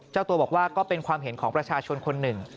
เจ้าตัวบอกว่าก็เป็นความเห็นของประชาชนคนหนึ่ง